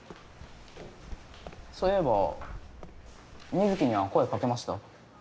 そういえば水城には声かけました？